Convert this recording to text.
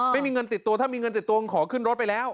ไม่มีเงินติดตัวถ้ามีเงินติดตัวขอขึ้นรถไปแล้ว